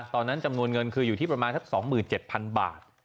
ตอนนั้นจำนวนเงินคืออยู่ที่ประมาณทัก๒๗๐๐๐บาท